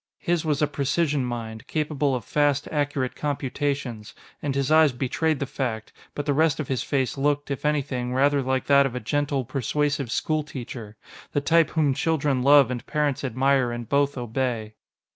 His was a precision mind, capable of fast, accurate computations, and his eyes betrayed the fact, but the rest of his face looked, if anything, rather like that of a gentle, persuasive schoolteacher the type whom children love and parents admire and both obey.